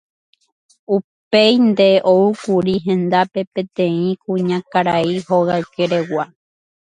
Upéinte oúkuri hendápe peteĩ kuñakarai hogaykeregua.